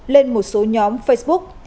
lên một số nhóm facebook